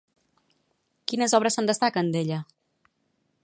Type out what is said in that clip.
Quines obres se'n destaquen d'ella?